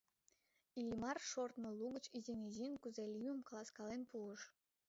Иллимар шортмо лугыч изин-изин кузе лиймым каласкален пуыш.